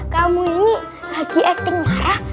kamu ini lagi acting marah